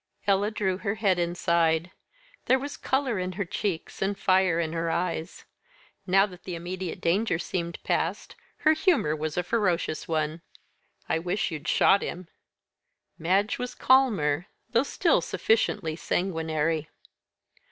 Ella drew her head inside. There was colour in her cheeks, and fire in her eyes. Now that the immediate danger seemed past her humour was a ferocious one. "I wish you'd shot him." Madge was calmer, though still sufficiently sanguinary.